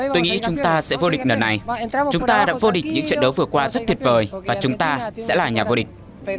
tôi nghĩ chúng ta sẽ vô địch lần này chúng ta đã vô địch những trận đấu vừa qua rất tuyệt vời và chúng ta sẽ là nhà vô địch